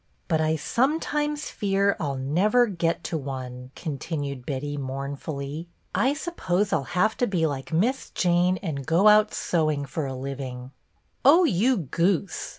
" But I sometimes fear I 'll never get to o'le,'' continued Betty, mournfully. "I sup I t 2 BETTY BAIRD pose 1 'll have to be like Miss Jane and go out sewing for a living." " Oh, you goose